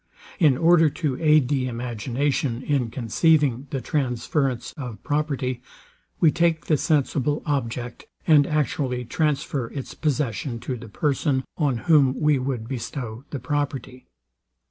In order to aid the imagination in conceiving the transference of property, we take the sensible object, and actually transfer its possession to the person, on whom we would bestow the property.